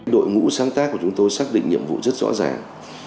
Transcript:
đội ngũ sáng tác của chúng tôi xác định nhiệm vụ rất rõ ràng